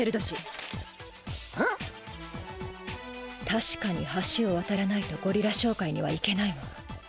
たしかに橋をわたらないとゴリラ商会には行けないわ。